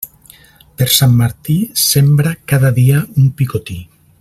Per Sant Martí, sembra cada dia un picotí.